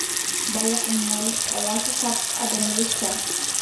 بايلىقى مول، ھاۋاسى ساپ، ئادەملىرى ئىشچان.